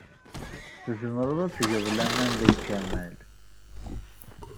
Tzemreḍ ad tgeḍ laman deg Kamal.